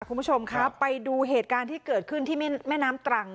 คุณผู้ชมครับไปดูเหตุการณ์ที่เกิดขึ้นที่แม่น้ำตรัง